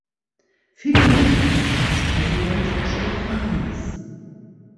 Vielen Dank, Herr Ratspräsident Stefanis!